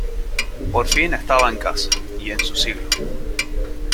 Por fin estaba en casa, y en su siglo.